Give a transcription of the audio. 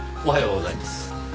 おはようございます。